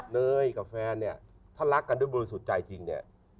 เนยกับแฟนเนี่ยถ้ารักกันด้วยบริสุทธิ์ใจจริงเนี่ย